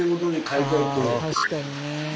確かにね。